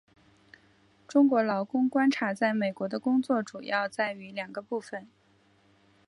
中国劳工观察在美国的工作主要在于两个部份。